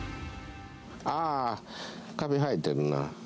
ああ、カビ生えてるな。